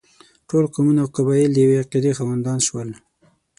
ټول قومونه او قبایل د یوې عقیدې خاوندان شول.